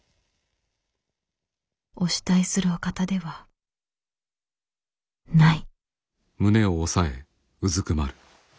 「お慕いするお方ではない」。